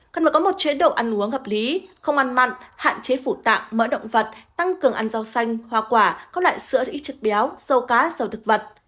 cần phải có một chế độ ăn uống hợp lý không ăn mặn hạn chế phủ tạng mỡ động vật tăng cường ăn rau xanh hoa quả các loại sữa ít chất béo sâu cá dầu thực vật